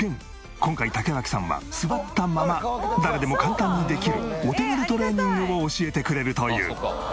今回竹脇さんは座ったまま誰でも簡単にできるお手軽トレーニングを教えてくれるという。